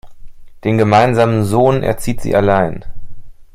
Den gemeinsamen Sohn erzieht sie allein.